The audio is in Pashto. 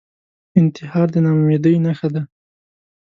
انتحار د ناامیدۍ نښه ده